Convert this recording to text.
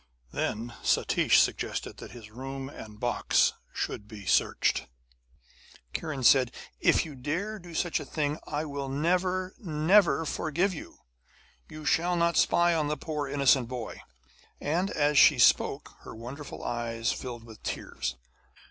Then Satish suggested that his room and box should be searched. And Kiran said: 'If you dare do such a thing I will never, never forgive you. You shall not spy on the poor innocent boy.' And as she spoke, her wonderful eyes filled with tears.